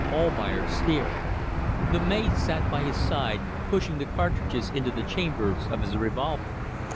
Almayer steered. The mate sat by his side, pushing the cartridges into the chambers of his revolver.